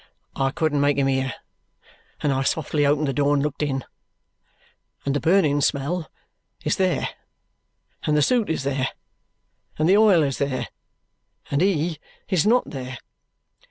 "I couldn't make him hear, and I softly opened the door and looked in. And the burning smell is there and the soot is there, and the oil is there and he is not there!"